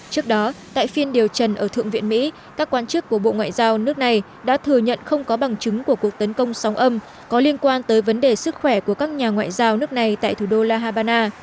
trước đó tại phiên điều trần ở thượng viện mỹ các quan chức của bộ ngoại giao nước này đã thừa nhận không có bằng chứng của cuộc tấn công sóng âm có liên quan tới vấn đề sức khỏe của các nhà ngoại giao nước này tại thủ đô la habana